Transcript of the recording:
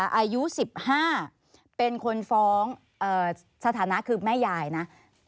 อายุ๑๕เป็นคนฟ้องสถานะคือแม่ยายนะ